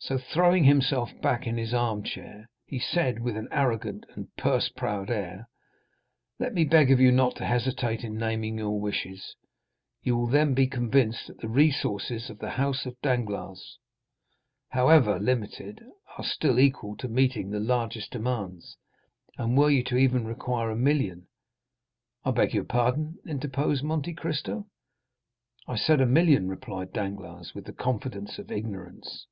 So throwing himself back in his armchair, he said, with an arrogant and purse proud air: "Let me beg of you not to hesitate in naming your wishes; you will then be convinced that the resources of the house of Danglars, however limited, are still equal to meeting the largest demands; and were you even to require a million——" "I beg your pardon," interposed Monte Cristo. "I said a million," replied Danglars, with the confidence of ignorance.